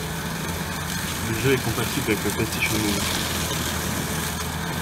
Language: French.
Le jeu est compatible avec le PlayStation Move.